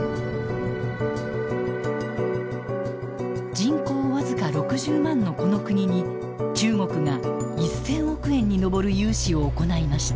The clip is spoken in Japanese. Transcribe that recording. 人口僅か６０万のこの国に中国が１，０００億円に上る融資を行いました。